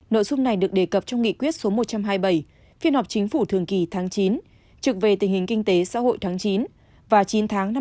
nội dung này được đề cập trong nghị quyết số một trăm hai mươi bảy phiên họp chính phủ thường kỳ tháng chín trực về tình hình kinh tế xã hội tháng chín và chín tháng năm hai nghìn hai mươi